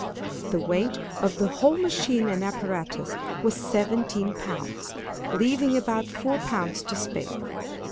The weight of the whole machine and apparatus was seventeen pounds—leaving about four pounds to spare.